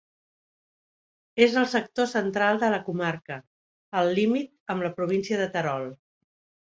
És al sector central de la comarca, al límit amb la província de Terol.